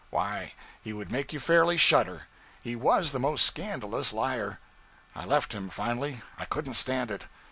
Why, he would make you fairly shudder. He _was _the most scandalous liar! I left him, finally; I couldn't stand it.